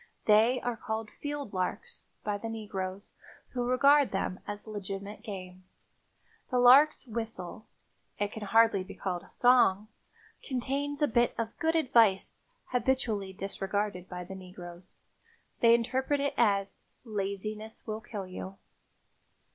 They are called "field larks" by the negroes, who regard them as legitimate game. The lark's whistle—it can hardly be called a song—contains a bit of good advice habitually disregarded by the negroes. They interpret it as "laziness will kill you."